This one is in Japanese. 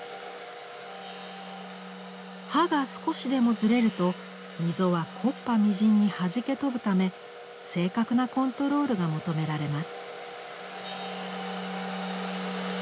刃が少しでもずれると溝は木っ端みじんにはじけ飛ぶため正確なコントロールが求められます。